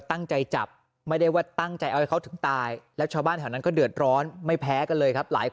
อันนี้เราก็ช่วยเต็มที่เนอะ